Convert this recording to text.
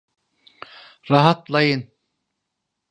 Rahatlayın.